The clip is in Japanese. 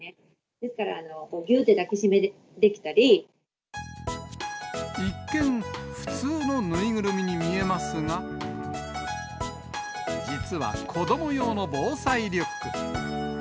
ですから、一見、普通の縫いぐるみに見えますが、実は子ども用の防災リュック。